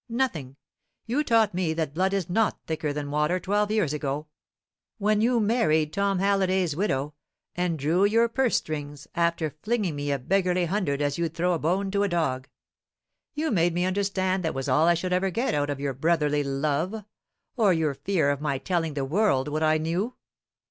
Nothing! You taught me that blood is not thicker than water twelve years ago, when you married Tom Halliday's widow, and drew your purse strings, after flinging me a beggarly hundred as you'd throw a bone to a dog. You made me understand that was all I should ever get out of your brotherly love, or your fear of my telling the world what I knew.